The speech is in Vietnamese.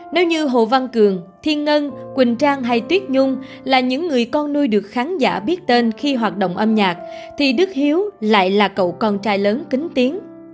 nếu như hồ văn cường thiên ngân quỳnh trang hay tuyết nhung là những người con nuôi được khán giả biết tên khi hoạt động âm nhạc thì đức hiếu lại là cậu con trai lớn kính tiếng